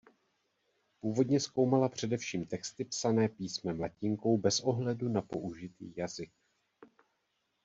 Původně zkoumala především texty psané písmem latinkou bez ohledu na použitý jazyk.